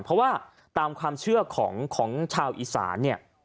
เพราะว่าตามความเชื่อของชาวอีสานเนี่ย